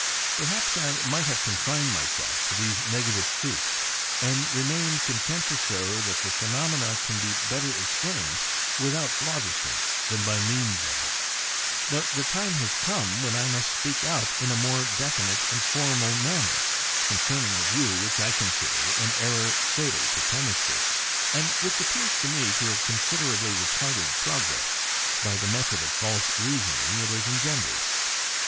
Perhaps I might have confined myself to these negative proofs and remained content to show that the phenomena can be better explained without phlogiston than by means of it; but the time has come when I must speak out in a more definite and formal manner concerning a view which I consider an error fatal to chemistry, and which appears to me to have considerably retarded progress by the method of false reasoning it has engendered.